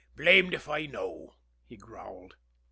"Blamed if I know!" he growled.